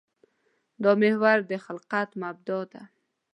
دا محور د خلقت مبدا ده.